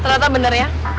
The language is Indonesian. ternyata bener ya